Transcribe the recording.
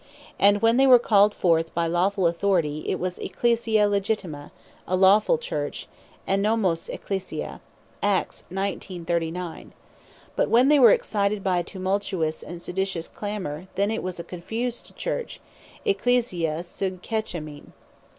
And when they were called forth by lawfull Authority, (Acts 19.39.) it was Ecclesia Legitima, a Lawfull Church, Ennomos Ecclesia. But when they were excited by tumultuous, and seditious clamor, then it was a confused Church, Ecclesia Sugkechumene.